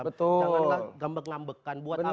janganlah gambek ngambekan buat apa